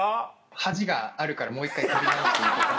「恥があるからもう１回撮り直して」とか。